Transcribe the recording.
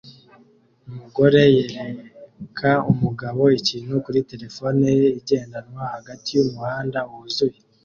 Umugore yereka umugabo ikintu kuri terefone ye igendanwa hagati y'umuhanda wuzuye